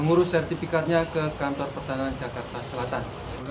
mengurus sertifikatnya ke kantor pertahanan jakarta selatan